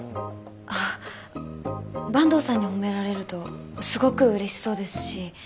あ坂東さんに褒められるとすごくうれしそうですし